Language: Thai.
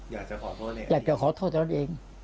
อยากจะขอโทษเนี้ยอยากจะขอโทษตัวเนี้ยเอง